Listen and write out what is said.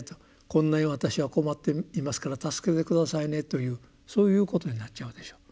「こんなに私は困っていますから助けて下さいね」というそういうことになっちゃうでしょう。